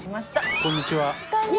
こんにちは。